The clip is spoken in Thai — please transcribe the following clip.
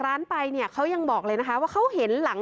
ร้านไปเนี่ยเขายังบอกเลยนะคะว่าเขาเห็นหลัง